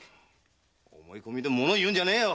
思い込みでものを言うんじゃねえよ！